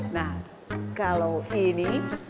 nah kalau ini pastilah